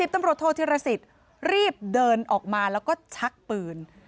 ตำรวจโทษธิรสิทธิ์รีบเดินออกมาแล้วก็ชักปืน